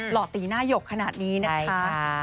ห่อตีหน้าหยกขนาดนี้นะคะ